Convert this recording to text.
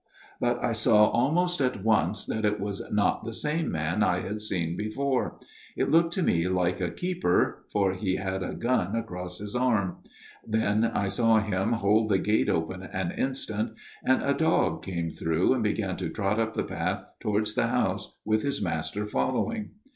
" But I saw almost at once that it was not the same man I had seen before ; it looked to me like a keeper, for he had a gun across his arm ; then I saw him hold the gate open an instant, and a dog came through and began to trot up the path towards the house with his master following.